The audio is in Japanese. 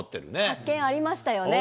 発見ありましたよね。